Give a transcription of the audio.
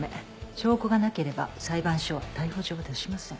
証拠がなければ裁判所は逮捕状を出しません。